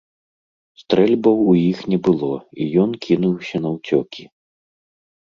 Стрэльбаў у іх не было, і ён кінуўся наўцёкі.